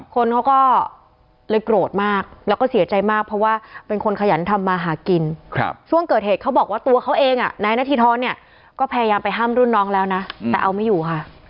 คนเขาก็เลยโกรธมากแล้วก็เสียใจมากเพราะว่าเป็นคนขยันทำมาหากินช่วงเกิดเหตุเขาบอกว่าตัวเขาเองนายนาธิธรเนี่ยก็พยายามไปห้ามรุ่นน้องแล้วนะแต่เอาไม่อยู่ค่ะ